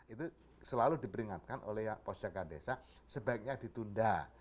itu selalu diperingatkan oleh pos jaga desa sebaiknya ditunda